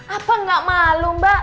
apa gak malu mbak